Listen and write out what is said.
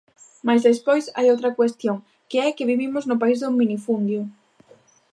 Mais despois hai outra cuestión, que é que vivimos no país do minifundio.